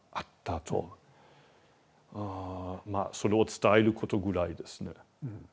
うんまあそれを伝えることぐらいですね。